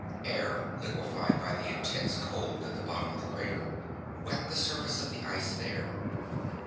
Air, liquified by the intense cold at the bottom of the crater, wet the surface of the ice there.